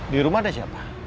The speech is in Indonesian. di rumah ada siapa